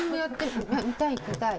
見たい見たい。